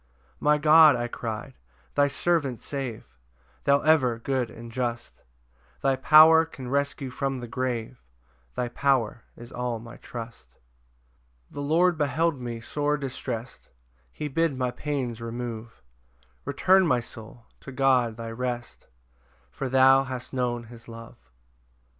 4 "My God," I cry'd "thy servant save, "Thou ever good and just; "Thy power can rescue from the grave, "Thy power is all my trust." 5 The Lord beheld me sore distrest, He bid my pains remove: Return, my soul, to God thy rest, For thou hast known his love.